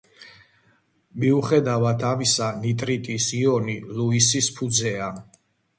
მიუხედავად ამისა ნიტრიტის იონი ლუისის ფუძეა.